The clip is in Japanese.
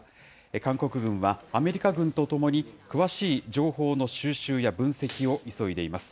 韓国軍はアメリカ軍とともに、詳しい情報の収集や分析を急いでいます。